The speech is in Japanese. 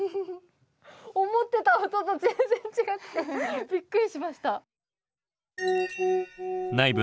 思ってた音と全然違くてビックリしました。